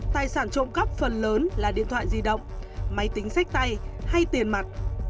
tài sản trộm cắp phần lớn là điện thoại di động máy tính sách tay hay tiền mặt